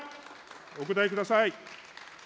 お答えください。